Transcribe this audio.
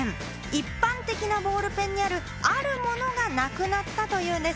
一般的なボールペンにある、あるものがなくなったというんです。